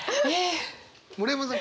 村山さん